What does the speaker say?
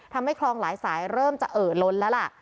ทำให้คลองหลายสายเริ่มจะเอ่อล้นแล้วล่ะ